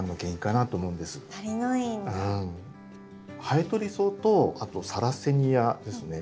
ハエトリソウとあとサラセニアですね